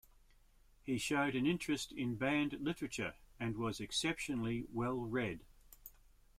He showed an interest in banned literature and was exceptionally well read.